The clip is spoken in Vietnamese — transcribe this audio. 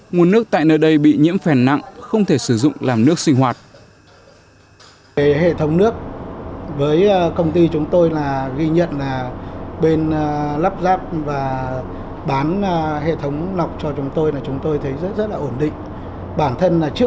nguồn nước tại nơi đây bị nhiễm phèn nặng không thể sử dụng làm nước sinh hoạt